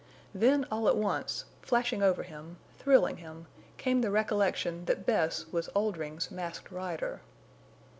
Then all at once, flashing over him, thrilling him, came the recollection that Bess was Oldring's Masked Rider.